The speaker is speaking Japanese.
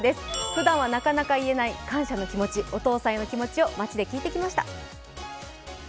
ふだんはなかなか言えない感謝の気持ち、お父さんへの気持ちを街で聞いてきました。